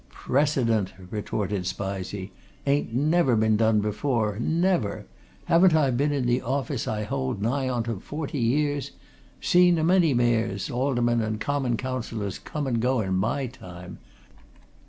"Precedent!" retorted Spizey. "Ain't never been done before never! Haven't I been in the office I hold nigh on to forty years? Seen a many mayors, aldermen and common councillors come and go in my time.